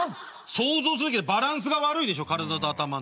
想像するだけでバランスが悪いでしょ体と頭の。